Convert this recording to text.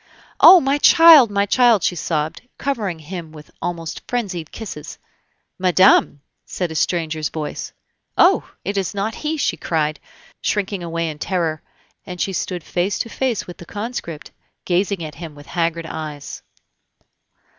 "Oh! my child! my child!" she sobbed, covering him with almost frenzied kisses. "Madame!..." said a stranger's voice. "Oh! it is not he!" she cried, shrinking away in terror, and she stood face to face with the conscript, gazing at him with haggard eyes.